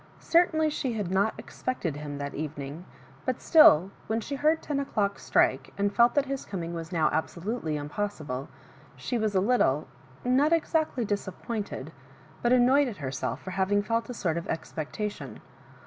Certainly she had not expected him that evening, but still, when she heard ten o^dock strike, and felt that his coming was now absolutely impossible, she was a litUe — not exactly disappointed, but an noyed at herself for having felt a sort of expecta tion.